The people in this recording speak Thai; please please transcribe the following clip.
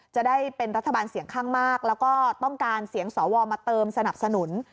จะได้เป็นรัฐบาลเสียงข้างมากแล้วก็ต้องการเสียงสวมาเติมสนับสนุน